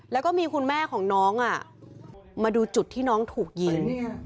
แล้วก็มีคุณแม่ของน้องมาดูจุดที่น้องถูกยิง